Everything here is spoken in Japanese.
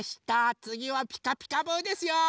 つぎは「ピカピカブ！」ですよ。